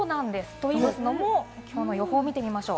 というのもきょうの予報を見ていきましょう。